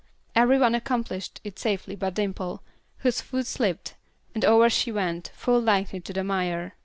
Every one accomplished it safely but Dimple, whose foot slipped, and over she went, full length into the mire.